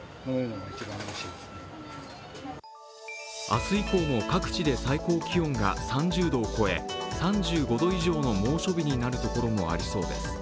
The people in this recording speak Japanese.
明日以降も各地で最高気温が３０度を超え、３５度以上の猛暑日になるところもありそうです。